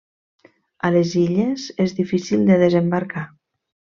A les illes és difícil de desembarcar.